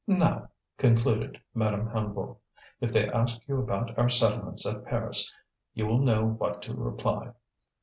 "Now!" concluded Madame Hennebeau, "if they ask you about our settlements at Paris you will know what to reply.